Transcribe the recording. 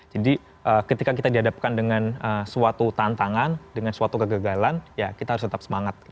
jadi ketika kita dihadapkan dengan suatu tantangan dengan suatu kegagalan ya kita harus tetap semangat